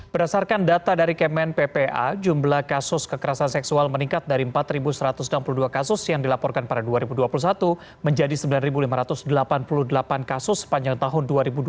berdasarkan data dari kemen ppa jumlah kasus kekerasan seksual meningkat dari empat satu ratus enam puluh dua kasus yang dilaporkan pada dua ribu dua puluh satu menjadi sembilan lima ratus delapan puluh delapan kasus sepanjang tahun dua ribu dua puluh